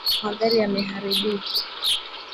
Magari yameharibika.